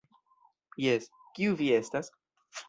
Jes, kiu vi estas?